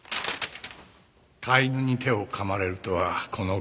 飼い犬に手を噛まれるとはこの事だ。